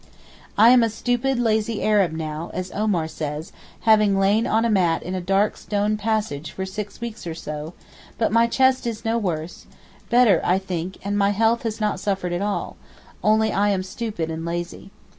I am a 'stupid, lazy Arab' now, as Omar says, having lain on a mat in a dark stone passage for six weeks or so, but my chest is no worse—better I think, and my health has not suffered at all—only I am stupid and lazy.